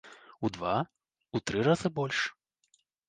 У два, у тры разы больш?